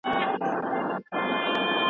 رفیع